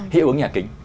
hiệu ứng nhà kính